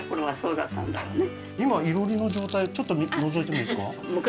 今囲炉裏の状態ちょっとのぞいてもいいですか？